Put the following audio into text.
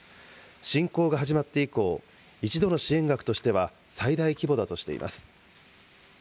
侵攻が始まって以降、一度の支援額としては最大規模だとしています。